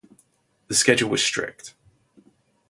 The schedule was strict.